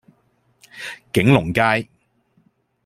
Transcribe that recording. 景隆街